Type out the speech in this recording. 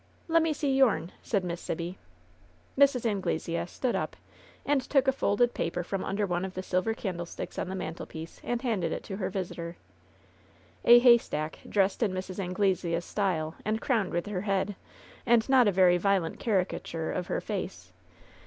"Lemme see youm !" said Miss Sibby. Mrs. Anglesea stood up and took a folded paper from under one of the silver candlesticks on the mantelpiece and handed it to her visitor. A haystack, dressed in Mrs. Anglesea's style and crowned with her head, and not a very violent caricature of her face.